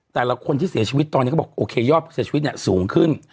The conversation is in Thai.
แต่ละคนที่เสียชวิตตอนนี้บอกว่าโอเคยอดปืนเสียชวิตนี่สูงขึ้น